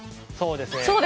そうですね。